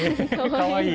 かわいい。